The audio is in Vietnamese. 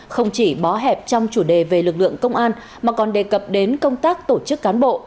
không chỉ bó hẹp trong chủ đề về lực lượng công an mà còn đề cập đến công tác tổ chức cán bộ